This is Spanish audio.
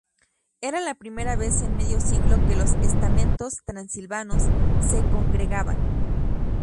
Era la primera vez en medio siglo que los estamentos transilvanos se congregaban.